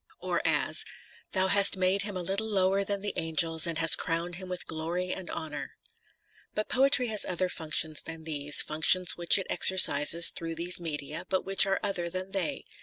or as : Thou hast made him a little lower than the angels and hast crovraed him with glory and honour. But poetry has other functions than these, functions which it exercises through these media, but which are other than they.